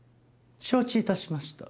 承知致しました。